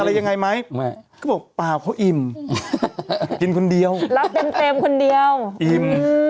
อะไรยังไงมั้ยก็บอกป่าวก็อิ่มกินคนเดียวอิ่ม